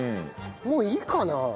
もういいかな？